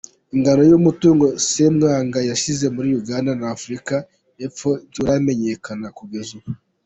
Ingano y’umutungo Semwanga yasize muri Uganda na Afurika y’Epfo nturamenyekana kugeza ubu.